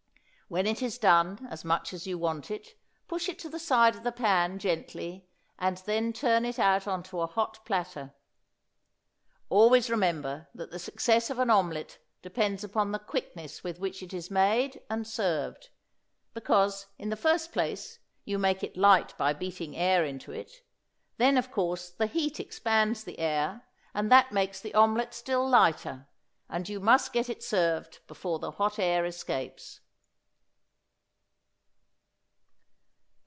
When it is done as much as you want it, push it to the side of the pan, gently, and then turn it out on a hot platter. Always remember that the success of an omelette depends upon the quickness with which it is made and served; because, in the first place, you make it light by beating air into it; then, of course, the heat expands the air, and that makes the omelette still lighter; and you must get it served before the hot air escapes.